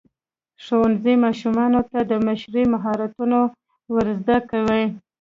ښوونځی ماشومانو ته د مشرۍ مهارتونه ورزده کوي.